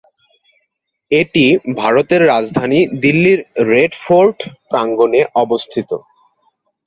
এটি ভারতের রাজধানী দিল্লীর রেড ফোর্ট প্রাঙ্গণে অবস্থিত।